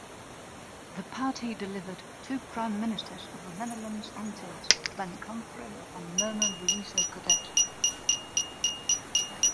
The party delivered two prime-ministers of the Netherlands Antilles: Ben Komproe and Mirna Louisa-Godett.